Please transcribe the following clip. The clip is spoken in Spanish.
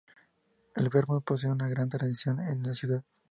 El vermut posee una gran tradición en la ciudad.